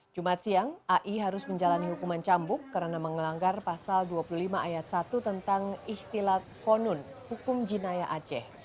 jumat siang ai harus menjalani hukuman cambuk karena mengelanggar pasal dua puluh lima ayat satu tentang ihtilat konun hukum jinaya aceh